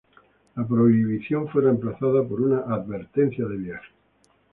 La prohibición fue reemplazada por una advertencia de viaje.